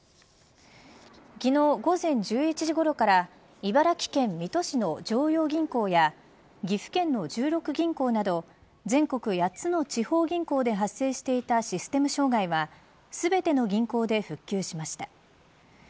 昨日、午前１１時ごろから茨城県水戸市の常陽銀行や岐阜県の十六銀行など全国８つの地方銀行で発生していたシステム障害は全ての銀行で復旧しました。